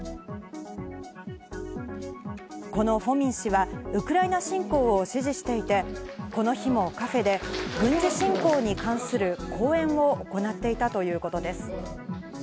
このフォミン氏はウクライナ侵攻を支持していて、この日もカフェで軍事侵攻に関する講演を行っていたということです。